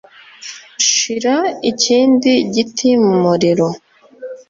Shira ikindi giti mumuriro